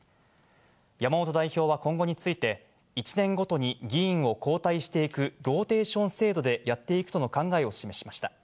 山本代表は今後について、１年ごとに議員を交代していくローテーション制度でやっていくとの考えを示しました。